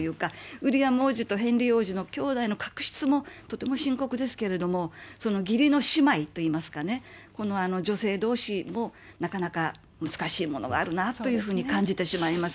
ウィリアム王子との兄弟の確執もとても深刻ですけれども、義理の姉妹と言いますかね、この女性どうしも、なかなか難しいものがあるなというふうに感じてしまいます。